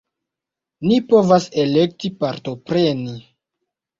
Ni povas elekti partopreni.